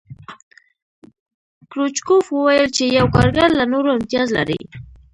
کرو چکوف وویل چې یو کارګر له نورو امتیاز لري